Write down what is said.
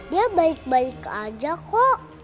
dia baik baik aja kok